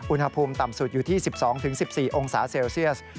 อุณหภูมิต่ำสุดอยู่ที่๑๒๑๔องศาเซลเซียส